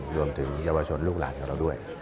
เยาวชนลูกหลานของเราด้วย